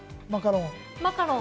マカロン。